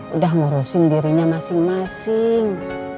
udah ngurusin dirinya masing masing